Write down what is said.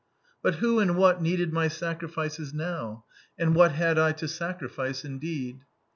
But who and what needed my sacrifices now? And what had I to sacrifice, indeed?